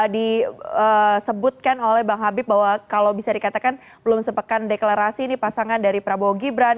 disebutkan oleh bang habib bahwa kalau bisa dikatakan belum sepekan deklarasi ini pasangan dari prabowo gibran